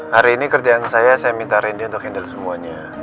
hari ini kerjaan saya saya minta rendy untuk handle semuanya